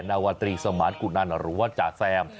นวตรีสมรรค์กุนั่นหรือว่าจาแซม